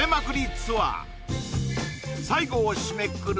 ツアー最後を締めくくる